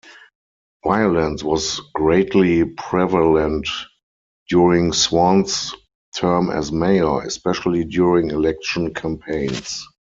Violence was greatly prevalent during Swann's term as mayor, especially during election campaigns.